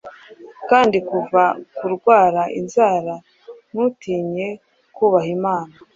Kandi kuva kurwara inzara ntutinye kubaha imana,